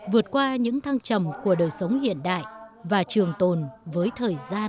vượt qua những thăng trầm của đời sống hiện đại và trường tồn với thời gian